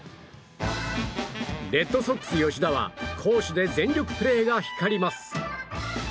レッドソックス、吉田は攻守で全力プレーが光ります。